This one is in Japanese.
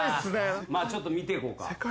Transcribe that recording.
まあちょっと見ていこうか。